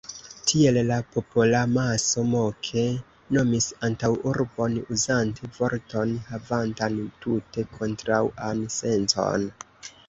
Tiel la popolamaso moke nomis antaŭurbon, uzante vorton, havantan tute kontraŭan sencon.